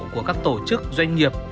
của các tổ chức doanh nghiệp